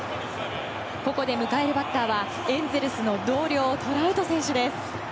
ここで迎えるバッターはエンゼルスの同僚トラウト選手です。